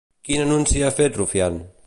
Quin anunci ha fet Rufián?